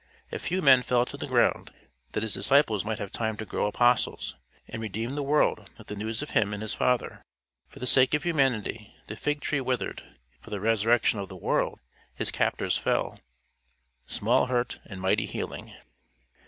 A few men fell to the ground that his disciples might have time to grow apostles, and redeem the world with the news of him and his Father. For the sake of humanity the fig tree withered; for the resurrection of the world, his captors fell: small hurt and mighty healing.